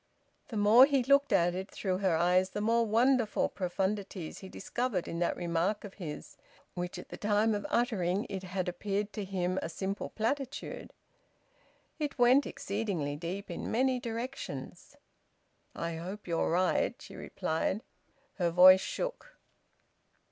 The more he looked at it through her eyes, the more wonderful profundities he discovered in that remark of his, which at the time of uttering it had appeared to him a simple platitude. It went exceedingly deep in many directions. "I hope you are right," she replied. Her voice shook.